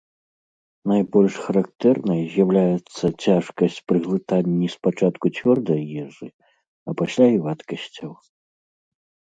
Найбольш характэрнай з'яўляецца цяжкасць пры глытанні спачатку цвёрдай ежы, а пасля і вадкасцяў.